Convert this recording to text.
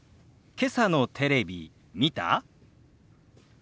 けさのテレビ見た？